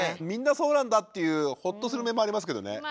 みんなそうなんだっていうホッとする面もありますけどね。